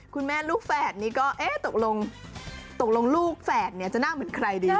คุณแม่ลูกแฝดนี่ก็ตกลงลูกแฝดจะหน้าเหมือนใครดี